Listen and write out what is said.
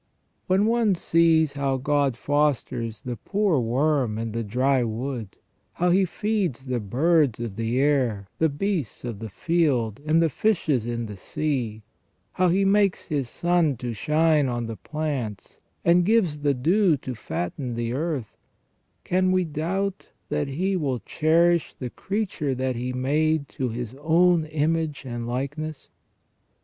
" When one sees how God fosters the poor worm in the dry wood ; how He feeds the birds of the air, the beasts of the field, and the fishes in the sea ; how He makes His sun to shine on the plants, and gives the dew to fatten the earth ; can we doubt that He will cherish the creature that He made to His own image and likeness